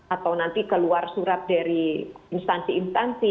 atau nanti keluar surat dari instansi instansi